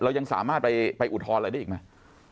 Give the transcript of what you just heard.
ยังสามารถไปอุทธรณ์อะไรได้อีกไหม